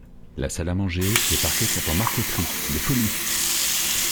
La salle à manger, les parquets sont en marqueterie, des folies!